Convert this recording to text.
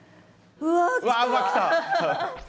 うわっうわ来た。